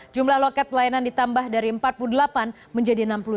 jumlah loket pelayanan ditambah dari empat puluh delapan menjadi enam puluh tujuh